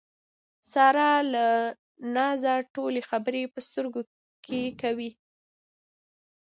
ساره له نازه ټولې خبرې په سترګو کې کوي.